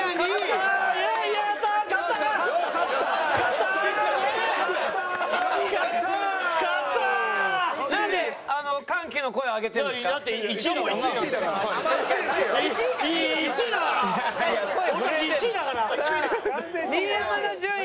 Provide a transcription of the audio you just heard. さあ新山の順位